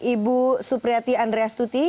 ibu supriyati andreas tuti